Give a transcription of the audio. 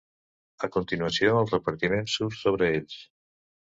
A continuació el repartiment surt sobre ells.